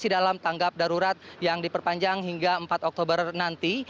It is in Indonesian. masih dalam tanggap darurat yang diperpanjang hingga empat oktober nanti